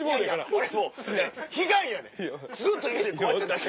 俺もう悲願やねんずっと家でこうやってただけ。